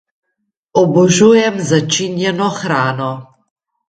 Obožujem začinjeno hrano!